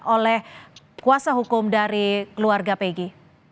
oleh kuasa hukum dari keluarga peggy